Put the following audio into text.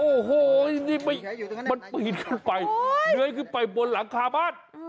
โอ้โหนี่มันปีนขึ้นไปเลื้อยขึ้นไปบนหลังคาบ้าน